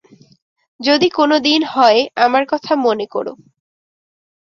যদি কোনোদিন হয়, আমার কথা মনে করো।